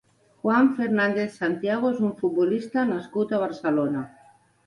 Juan Fernández Santiago és un futbolista nascut a Barcelona.